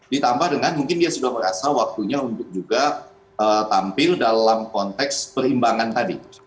ditambah dengan mungkin dia sudah merasa waktunya untuk juga tampil dalam konteks perimbangan tadi